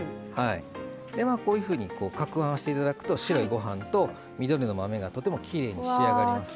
こういうふうにかくはんして頂くと白いご飯と緑の豆がとてもきれいに仕上がります。